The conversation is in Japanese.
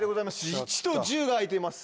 １と１０が開いています。